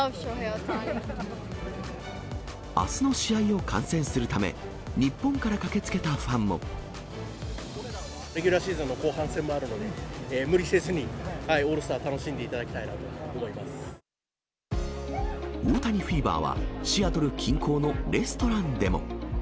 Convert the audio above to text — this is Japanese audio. あすの試合を観戦するため、レギュラーシーズンの後半戦もあるので、無理せずにオールスター、楽しんでいただきたいなと大谷フィーバーはシアトル近郊のレストランでも。